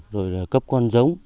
rồi là cấp con giống